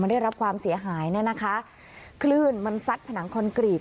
ได้รับความเสียหายเนี่ยนะคะคลื่นมันซัดผนังคอนกรีต